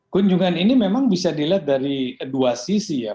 kunjungan ini memang bisa dilihat dari dua sisi ya